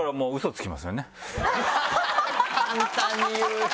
簡単に言う。